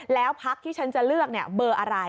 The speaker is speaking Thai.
แล้วพักที่ฉันจะเลือกเบอร์อะไร